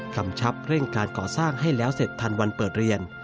กำชับเร่งการก่อสร้างให้แล้วเสร็จทันวันเปิดเรียน